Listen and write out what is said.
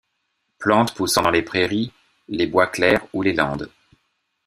Plante poussant dans les prairies, les bois clairs ou les landes.